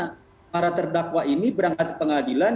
karena para terdakwa ini berangkat ke pengadilan